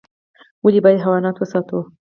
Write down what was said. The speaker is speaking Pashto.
ولي بايد حيوانات وساتو؟